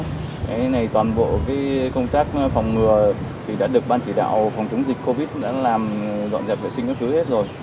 thế này toàn bộ công tác phòng ngừa thì đã được ban chỉ đạo phòng chống dịch covid đã làm dọn dẹp vệ sinh cấp cứu hết rồi